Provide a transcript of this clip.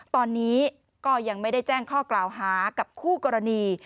ตอนนี้ก็ยังไม่ได้แจ้งข้อกล่าวหากับคู่กรณี